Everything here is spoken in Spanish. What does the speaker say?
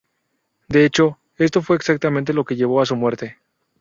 De hecho, esto fue exactamente lo que llevó a su muerte.